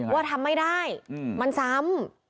ว่าทำไม่ได้มันซ้ำ